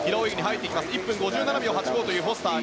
１分５７秒８５というフォスター。